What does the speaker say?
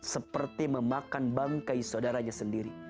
seperti memakan bangkai saudaranya sendiri